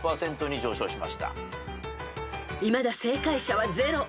［いまだ正解者はゼロ］